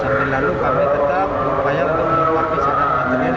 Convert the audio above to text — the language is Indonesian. sampai lalu kami tetap berupaya untuk mengulangi syarat material